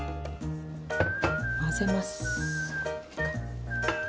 混ぜます。